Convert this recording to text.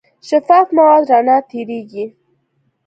شفاف مواد رڼا تېرېږي.